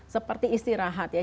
seperti istirahat ya